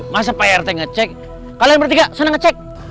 masa pak rt ngecek kalian bertiga sana ngecek